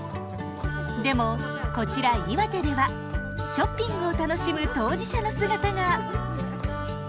でもこちら岩手ではショッピングを楽しむ当事者の姿が。